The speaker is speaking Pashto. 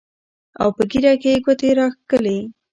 او پۀ ږيره کښې يې ګوتې راښکلې